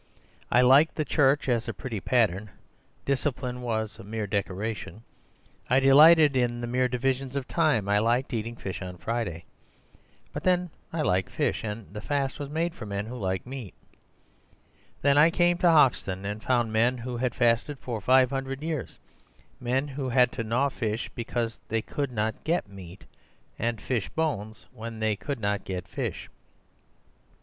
I liked the church as a pretty pattern; discipline was mere decoration. I delighted in mere divisions of time; I liked eating fish on Friday. But then I like fish; and the fast was made for men who like meat. Then I came to Hoxton and found men who had fasted for five hundred years; men who had to gnaw fish because they could not get meat—and fish bones when they could not get fish.